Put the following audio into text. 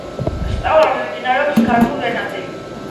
სწავლება მიმდინარეობს ქართულ ენაზე.